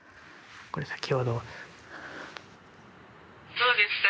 どうですか？